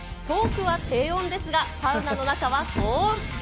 トークは低温ですが、サウナの中は高温。